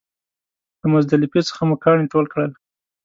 له مزدلفې څخه مو کاڼي ټول کړل.